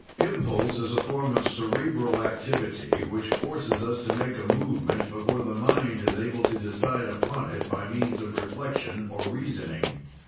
Impulse is a form of cerebral activity which, forces us to make a movement before the mind is able to decide upon it by means of reflection or reasoning.